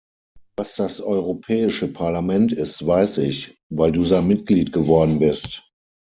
Was das Europäische Parlament ist, weiß ich, weil Du sein Mitglied geworden bist.